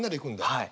はい。